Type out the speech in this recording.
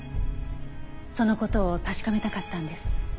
その事を確かめたかったんです。